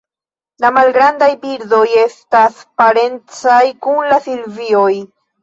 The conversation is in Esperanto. La malgrandaj birdoj estas parencaj kun la Silvioj.